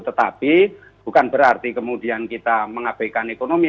tetapi bukan berarti kemudian kita mengabaikan ekonomi